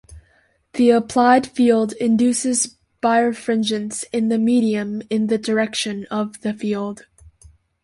The applied field induces birefringence in the medium in the direction of the field.